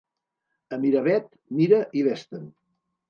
A Miravet, mira i ves-te'n.